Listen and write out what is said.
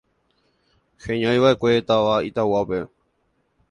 heñoi'akue táva Itauguápe